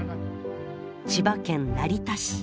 千葉県成田市。